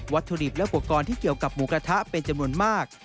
ถุดิบและอุปกรณ์ที่เกี่ยวกับหมูกระทะเป็นจำนวนมาก